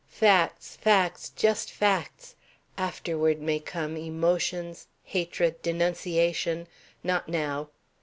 Facts, facts, just facts! Afterward may come emotions, hatred, denunciation, not now.